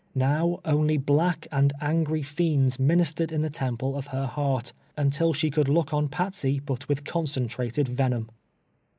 Now, only black and angry fiends ministered in the temple of her heart, until she could look on Patsey but with concentrated venom.